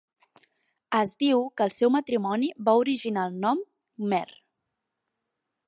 Es diu que el seu matrimoni va originar el nom "khmer".